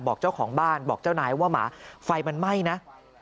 บอกเจ้าของบ้านบอกเจ้านายว่าหมาไฟมันไหม้นะ